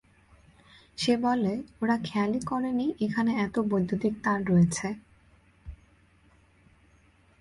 সে বলে, ওরা খেয়ালই করেনি এখানে এত বৈদ্যুতিক তার রয়েছে।